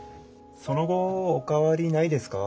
その後お変わりないですか？